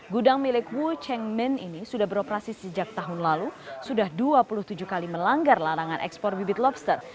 gudang milik wu cheng men ini sudah beroperasi sejak tahun lalu sudah dua puluh tujuh kali melanggar larangan ekspor bibit lobster